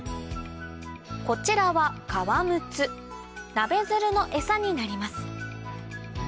こちらはナベヅルのエサになります